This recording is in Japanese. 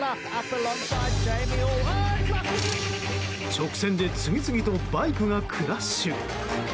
直線で次々とバイクがクラッシュ！